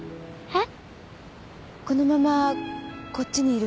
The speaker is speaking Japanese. えっ？